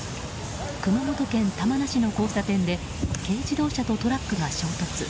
熊本県玉名市の交差点で軽自動車とトラックが衝突。